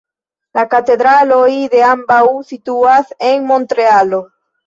La katedraloj de ambaŭ situas en Montrealo.